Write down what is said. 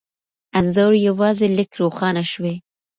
انځور یوازې لږ روښانه شوی،